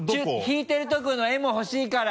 引いてるとこの絵もほしいから。